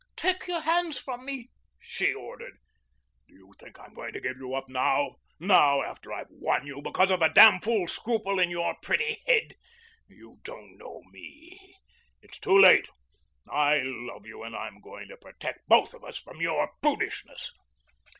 "Take your hands from me," she ordered. "Do you think I'm going to give you up now now, after I've won you because of a damfool scruple in your pretty head? You don't know me. It's too late. I love you and I'm going to protect both of us from your prudishness."